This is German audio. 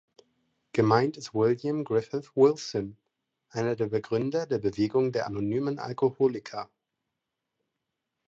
Gemeint ist William Griffith Wilson, einer der Gründer der Bewegung der Anonymen Alkoholiker.